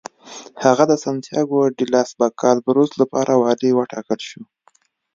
هغه د سنتیاګو ډي لاس کابالروس لپاره والي وټاکل شو.